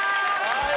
はい。